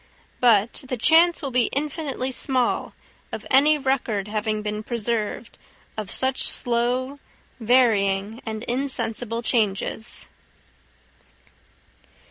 But the chance will be infinitely small of any record having been preserved of such slow, varying, and insensible changes.